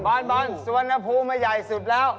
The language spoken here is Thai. บอนชวนภูมิใหญ่สุดแล้ว